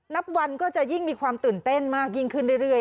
นับวันก็จะยิ่งมีความตื่นเต้นมากยิ่งขึ้นเรื่อย